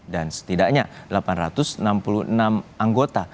dan setidaknya delapan ratus enam puluh enam anggota